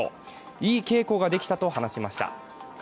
いい稽古ができたと話しました。